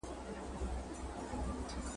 لکه د بزم د پانوس په شپه کي `